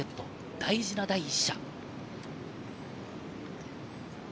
大事な第１射。